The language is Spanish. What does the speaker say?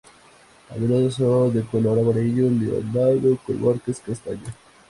A menudo son de color amarillo leonado con marcas castañas.